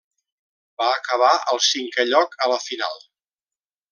Va acabar al cinquè lloc a la final.